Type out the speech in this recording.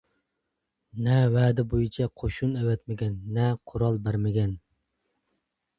نە ۋەدە بويىچە قوشۇن ئەۋەتمىگەن، نە قورال بەرمىگەن.